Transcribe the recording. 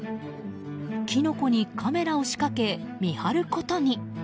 キノコにカメラを仕掛け見張ることに。